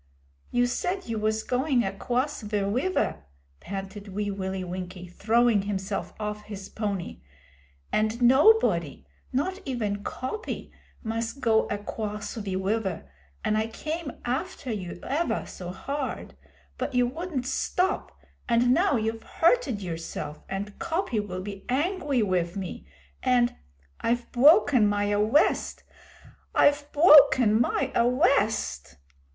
'You said you was going acwoss ve wiver,' panted Wee Willie Winkie, throwing himself off his pony. 'And nobody not even Coppy must go acwoss ve wiver, and I came after you ever so hard, but you wouldn't stop, and now you've hurted yourself, and Coppy will be angwy wiv me, and I've bwoken my awwest! I've bwoken my awwest!'